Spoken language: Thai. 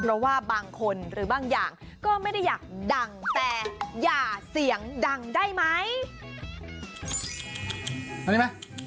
เพราะว่าบางคนหรือบางอย่างก็ไม่ได้อยากดังแต่อย่าเสียงดังได้ไหม